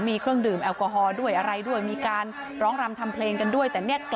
มีเครื่องดื่มแอลกอฮอล์ด้วยอะไรด้วย